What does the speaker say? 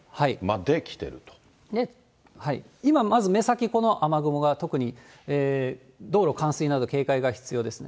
今、まず目先、この雨雲が特に道路冠水など警戒が必要です。